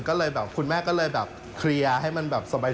ก็เลยแบบคุณแม่ก็เลยแบบเคลียร์ให้มันแบบสบาย